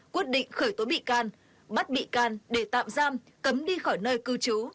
quyết định khởi tố bị can bắt bị can để tạm giam cấm đi khỏi nơi cư trú